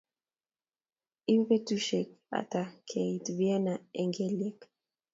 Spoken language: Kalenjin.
ibe betusiwk ata keit vienna Eng' keliek?